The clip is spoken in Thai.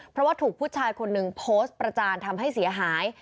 เพราะว่าถูกผู้ชายคนหนึ่งโพสต์ประจานทำให้เสียหาย